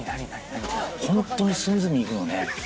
本当に隅々行くのね。